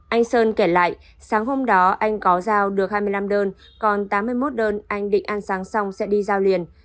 anh sơn kể lại sáng hôm đó anh có giao được hai mươi năm đơn còn tám mươi một đơn anh định an sáng xong sẽ đi giao liền